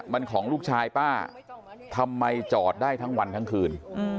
มันของลูกชายป้าทำไมจอดได้ทั้งวันทั้งคืน